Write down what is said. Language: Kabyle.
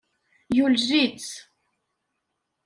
Yulel-itt.